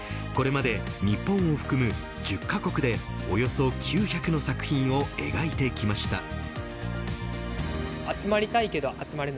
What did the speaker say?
これまで日本を含む１０カ国でおよそ９００の作品を描いてきました。